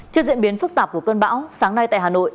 trước diễn biến phức tạp của cơn bão sáng nay tại hà nội